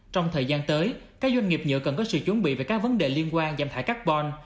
trong thời gian tới các doanh nghiệp nhựa cần có sự chuẩn bị về các vấn đề liên quan giảm thải carbon